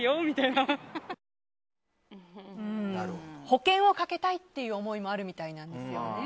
保険をかけたいっていう思いもあるみたいなんですよね。